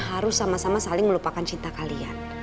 harus sama sama saling melupakan cinta kalian